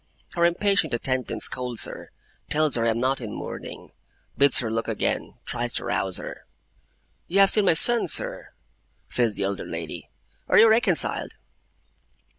Her impatient attendant scolds her, tells her I am not in mourning, bids her look again, tries to rouse her. 'You have seen my son, sir,' says the elder lady. 'Are you reconciled?